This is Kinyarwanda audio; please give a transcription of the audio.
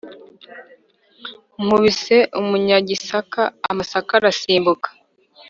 Nkubise umunyagisaka amasaka arasimbuka,.